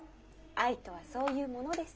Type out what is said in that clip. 愛とはそういうものです。